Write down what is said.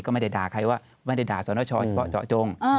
ก็ไม่ได้ด่าใครว่าไม่ได้ด่าสนชเฉพาะเจาะจง